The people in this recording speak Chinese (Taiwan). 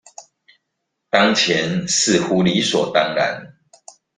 當前似乎理所當然